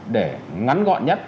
để ngắn gọn nhất